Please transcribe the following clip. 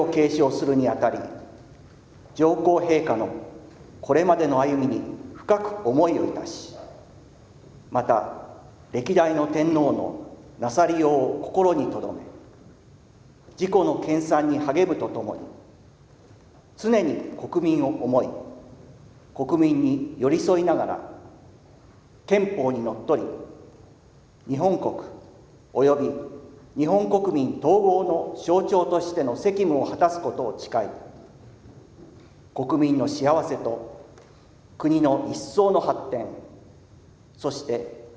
kaisar berusia lima puluh sembilan tahun tersebut masih harus menjalani penobatan secara resmi pada dua puluh dua oktober mendatang dan setidaknya di hadapan dua ratus perwakilan negara asing